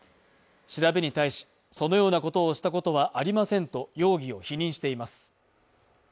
調べに対しそのようなことをしたことはありませんと容疑を否認しています